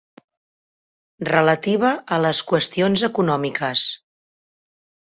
Relativa a les qüestions econòmiques.